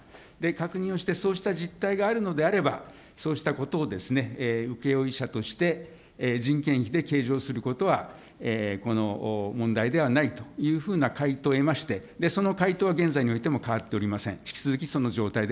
確認をして、そうした実態があるのであれば、そうしたことをですね、請け負い者として、人件費で計上することはこの問題ではないというふうな回答を得まして、その回答は現在においても変わっておりません。